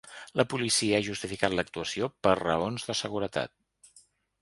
La policia ha justificat l’actuació per ‘raons de seguretat’.